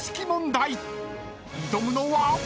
［挑むのは］